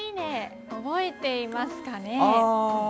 覚えていますかね？